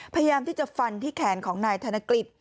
พยายามที่จะฟันที่แขนของนายธนกฤษ